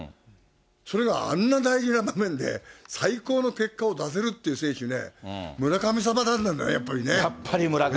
それがあんな大事な場面で、最高の結果を出せるっていう選手ね、村神様なんだね、やっぱりね。